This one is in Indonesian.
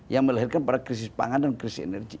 yang melahirkan pada krisis pangan dan krisis energi